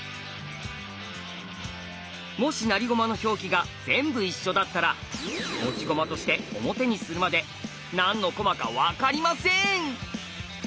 もし成り駒の表記が全部一緒だったら持ち駒として表にするまで何の駒か分かりません！